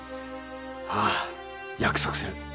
ああ約束する。